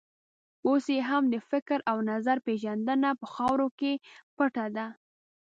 اوس یې هم د فکر او نظر پېژندنه په خاورو کې پټه ده.